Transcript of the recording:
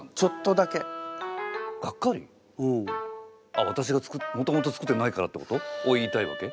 あっわたしがもともとつくってないからってこと？を言いたいわけ？